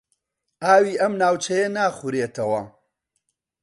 ئاوی ئەم ناوچەیە ناخورێتەوە.